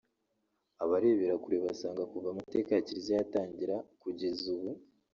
Abarebera kure basanga kuva amateka ya Kiliziya yatangira kugeza ubu